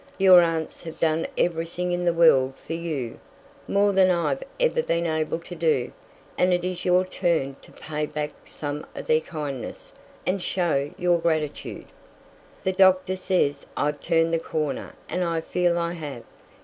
Your aunts have done everything in the world for you, more than I've ever been able to do, and it is your turn to pay back some o' their kindness and show your gratitude. The doctor says I've turned the corner and I feel I have.